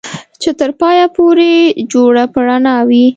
چې تر پايه پورې جوړه په رڼا وي